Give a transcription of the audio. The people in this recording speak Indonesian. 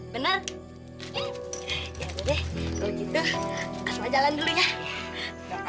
kalau gitu kasur aja lah dulu ya